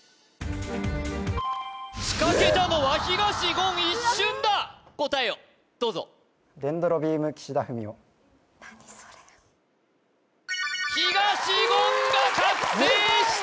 仕掛けたのは東言一瞬だ答えをどうぞ何それ東言が覚醒した！